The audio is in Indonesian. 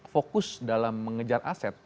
fokus dalam mengejar aset